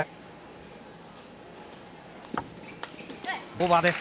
オーバーです。